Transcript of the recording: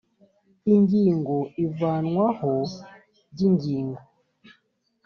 ingingo ivanwaho ry ingingo